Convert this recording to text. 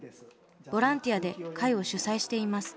ボランティアで会を主催しています。